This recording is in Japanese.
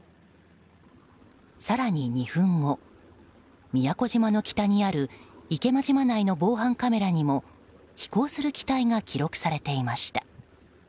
更に２分後、宮古島の北にある池間島内の防犯カメラにも飛行する機体が記録されていました。